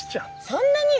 そんなに！